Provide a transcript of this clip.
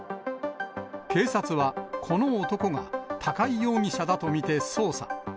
警察は、この男が高井容疑者だと見て捜査。